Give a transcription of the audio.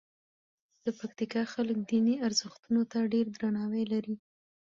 د پکتیکا خلک دیني ارزښتونو ته ډېر درناوی لري.